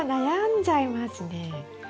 悩んじゃいますね。